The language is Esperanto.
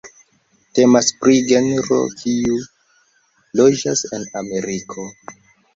Temas pri genro kiu loĝas en Ameriko.